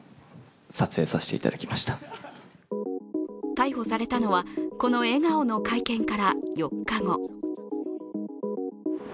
逮捕されたのはこの笑顔の会見から４日後。